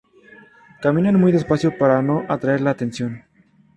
Caminan muy despacio para no atraer la atención.